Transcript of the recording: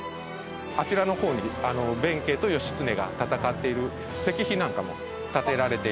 あちらの方に弁慶と義経が戦っている石碑なんかも建てられていて。